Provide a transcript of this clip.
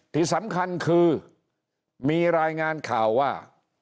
ที่สำคัญคือมีรายงานข่าวว่า